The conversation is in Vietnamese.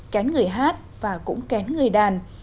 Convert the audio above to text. kén người hát và cũng kén người đàn